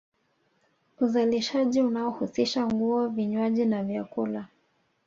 Uzalishaji unaohusisha nguo vinywaji na vyakula